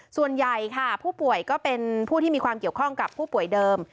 ส่วนใหญ่ค่ะผู้ป่วยก็เป็นผู้ที่มีความเกี่ยวข้องกับผู้ป่วยเดิม